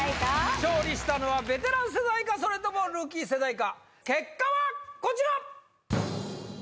勝利したのはベテラン世代かそれともルーキー世代か結果はこちら！